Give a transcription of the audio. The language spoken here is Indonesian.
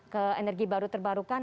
ke energi baru terbarukan